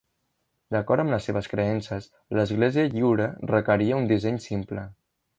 D'acord amb les seves creences, l'Església lliure requeria un disseny simple.